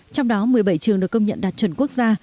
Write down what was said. trong đó một mươi bảy trường được công nhận đạt chuẩn quốc gia